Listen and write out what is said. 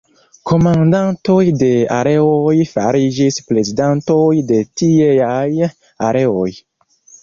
Komandantoj de areoj fariĝis prezidantoj de tieaj areoj.